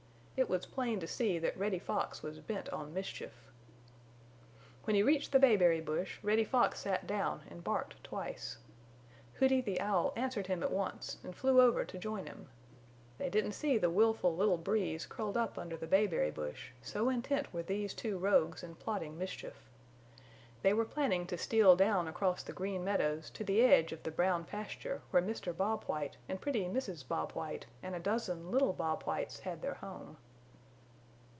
It was plain to see that Reddy Fox was bent on mischief. When he reached the bayberry bush Reddy Fox sat down and barked twice. Hooty the Owl answered him at once and flew over to join him. They didn't see the willful little Breeze curled up under the bayberry bush, so intent were these two rogues in plotting mischief. They were planning to steal down across the Green Meadows to the edge of the Brown Pasture where Mr. Bob White and pretty Mrs. Bob White and a dozen little Bob Whites had their home.